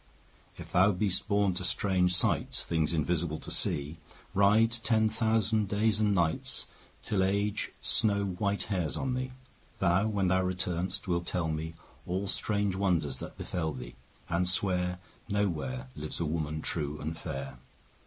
If thou be'st born to strange sights, 10 Things invisible to see, Ride ten thousand days and nights Till Age snow white hairs on thee; Thou, when thou return'st, wilt tell me All strange wonders that befell thee, 15 And swear No where Lives a woman true and fair.